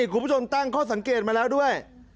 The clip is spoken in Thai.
คุณผู้ชมตั้งข้อสังเกตมาแล้วด้วย